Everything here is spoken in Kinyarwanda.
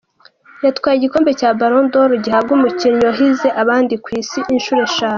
Yatwaye igikombe cya Ballon d'Or - gihabwa umukinnyi wahize abandi ku isi - inshuro eshanu.